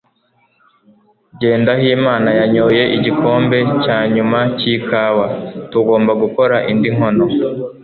Jyendayimana yanyoye igikombe cya nyuma cyikawa. Tugomba gukora indi nkono.